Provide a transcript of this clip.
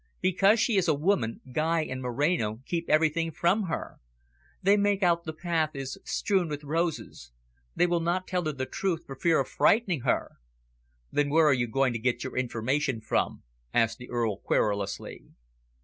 Because she is a woman, Guy and Moreno keep everything from her. They make out the path is strewn with roses. They will not tell her the truth, for fear of frightening her." "Then where are you going to get your information from?" asked the Earl querulously.